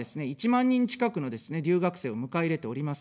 １万人近くのですね、留学生を迎え入れております。